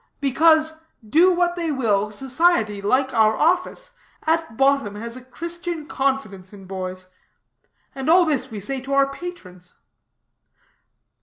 Because, do what they will, society, like our office, at bottom has a Christian confidence in boys. And all this we say to our patrons."